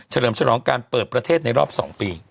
เลิมฉลองการเปิดประเทศในรอบ๒ปี